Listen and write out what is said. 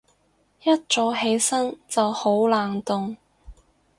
一早起身就好冷凍